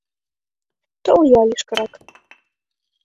— Тол-я лишкырак.